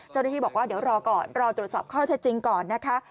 เจ้าหน้าที่บอกว่าเดี๋ยวรอก่อนรอตรวจสอบข้อเท็จจริงก่อนนะคะ